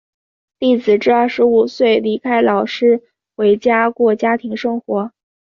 弟子至二十五岁离开老师回家过家庭生活。